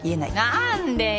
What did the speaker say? なんでよ。